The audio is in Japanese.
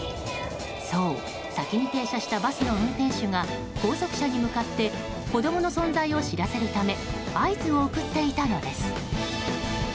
そう、先に停車したバスの運転手が後続車に向かって子供の存在を知らせるため合図を送っていたのです。